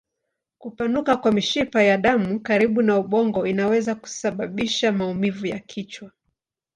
Kupanuka kwa mishipa ya damu karibu na ubongo inaweza kusababisha maumivu ya kichwa.